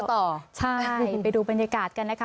ไปเที่ยวต่อใช่ไปดูบรรยากาศกันนะคะ